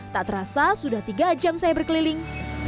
tak terasa sudah tiga jam saya berkeliling